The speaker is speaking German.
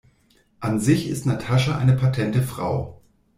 An sich ist Natascha eine patente Frau.